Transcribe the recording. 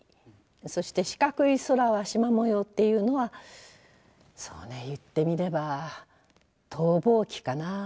そして『四角い空は縞模様』っていうのはそうね言ってみれば逃亡記かな。